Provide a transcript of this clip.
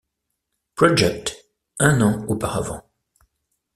Project, un an auparavant.